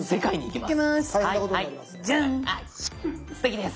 すてきです。